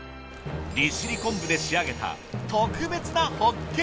利尻昆布で仕上げた特別なホッケ！